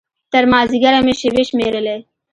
تر مازديګره مې شېبې شمېرلې.